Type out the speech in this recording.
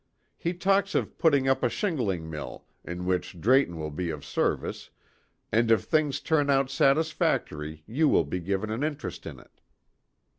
He talks of putting up a shingling mill, in which Drayton will be of service, and if things turn out satisfactory you will be given an interest in it."